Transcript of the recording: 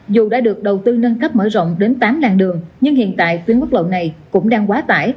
dù đã được đầu tư nâng cấp mở rộng đến tám làng đường nhưng hiện tại tuyến quốc lộ này cũng đang quá tải